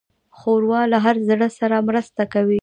ښوروا له هر زړه سره مرسته کوي.